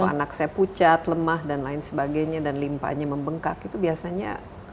anak saya pucat lemah dan lain sebagainya dan limpahnya membengkak itu biasanya